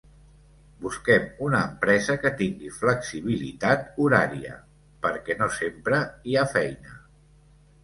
Busquem una empresa que tingui flexibilitat horària, perquè no sempre hi ha feina.